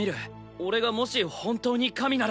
俺がもし本当に神なら。